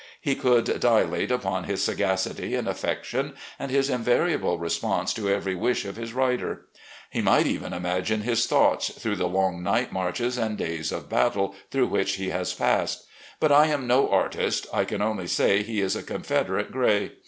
He could dilate upon his sagacity and affec tion, and his invariable response to every wish of his rider. He might even imagine his thoughts, through the long night marches and days of battle through which he has passed. But I am no artist ; I can only say he is a Confederate gray.